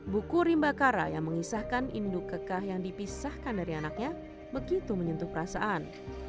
buku rimbakara yang mengisahkan induk kekah yang dipisahkan dari anaknya begitu menyentuh perasaan